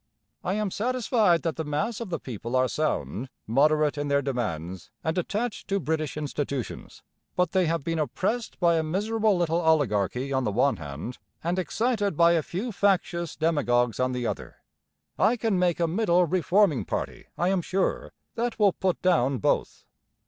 'I am satisfied that the mass of the people are sound moderate in their demands and attached to British institutions; but they have been oppressed by a miserable little oligarchy on the one hand and excited by a few factious demagogues on the other. I can make a middle reforming party, I am sure, that will put down both.'